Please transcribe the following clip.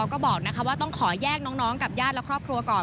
ก็บอกว่าต้องขอแยกน้องกับญาติและครอบครัวก่อน